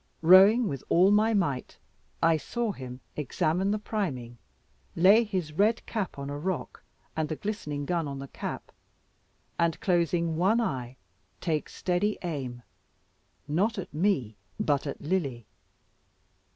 Bowing with all my might, I saw him examine the priming, lay his red cap on a rock, and the glistening gun on the cap, and, closing one eye, take steady aim, not at me, but at Lily.